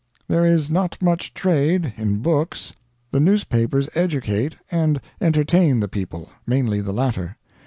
"There is not much trade in books. The newspapers educate and entertain the people. Mainly the latter.